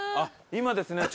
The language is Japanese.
今ですねえ